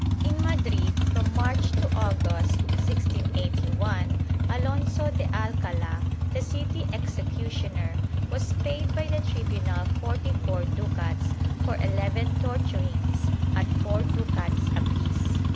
^ In Madrid, from March to August, 1681, Alonso de Alcala, the city executioner, was paid by the tribunal forty four ducats, for eleven torturings, at four ducats apiece.